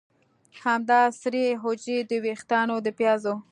همدا سرې حجرې د ویښتانو د پیازو